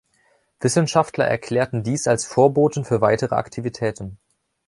Wissenschaftler erklärten dies als Vorboten für weitere Aktivitäten.